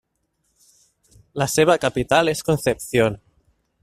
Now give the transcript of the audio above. La seva capital és Concepción.